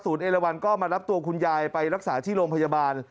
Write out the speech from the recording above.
เอลวันก็มารับตัวคุณยายไปรักษาที่โรงพยาบาล